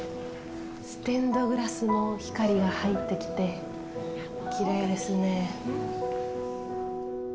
ステンドグラスも光が入ってきてきれいですね。